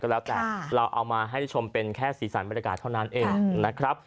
แล้วแต่เราเอามาให้ได้ชมเป็นแค่สีสันบรรยากาศเท่านั้นเองนะครับ